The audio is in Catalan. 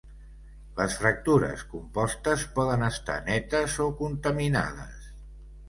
Les fractures compostes poden estar netes o contaminades.